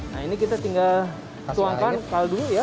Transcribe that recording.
nah ini kita tinggal tuangkan kaldu ya